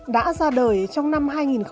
đã ra đời trong năm hai nghìn một mươi chín